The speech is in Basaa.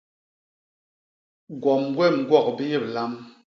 Gwom gwem gwok biyé bilam.